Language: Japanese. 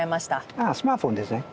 あっスマートフォンですね。